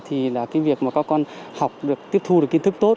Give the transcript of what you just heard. thì là cái việc mà các con học được tiếp thu được kiến thức tốt